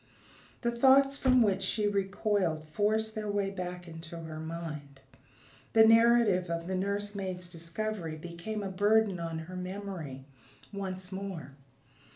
The thoughts from which she recoiled forced their way back into her mind; the narrative of the nursemaid's discovery became a burden on her memory once more.